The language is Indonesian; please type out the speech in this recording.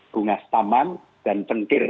gungas taman dan tengkir